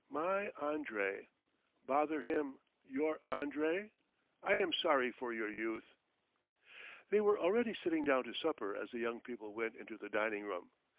"My Andrey. ... Bother him, your Andrey. I am sorry for your youth." They were already sitting down to supper as the young people went into the dining room.